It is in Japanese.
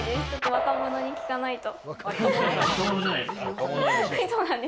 若者に聞かないと。